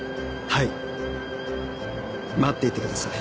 はい待っていてください。